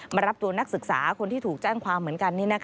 มารับตัวนักศึกษาคนที่ถูกแจ้งความเหมือนกัน